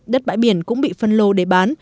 đất bãi biển cũng bị phân lô để bán